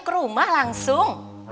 ke rumah langsung